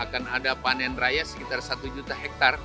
akan ada panen raya sekitar satu juta hektare